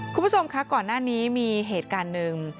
คุณผู้ชมคะก่อนหน้านี้มีเหตุการณ์หนึ่ง